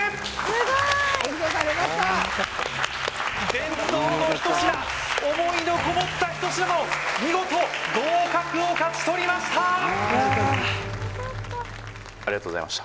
ああよかった伝統の一品思いのこもった一品も見事合格を勝ち取りましたいや